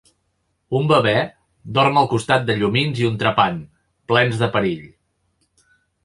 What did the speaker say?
Un bebè dorm al costat de llumins i un trepant, plens de perill.